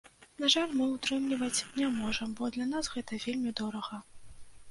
На жаль, мы ўтрымліваць не можам, бо для нас гэта вельмі дорага.